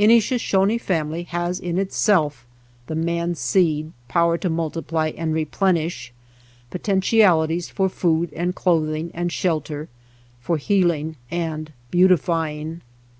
Any Shoshone family has in itself the man seed, power to multiply and 89 SHOSHONE LAND replenish, potentialities for food and cloth ing and shelter, for healing and beautify ing.